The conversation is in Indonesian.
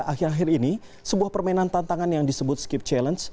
akhir akhir ini sebuah permainan tantangan yang disebut skip challenge